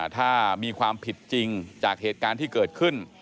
ถ้ามีความผิดจริงจากเหตุการณ์ที่เกิดขึ้น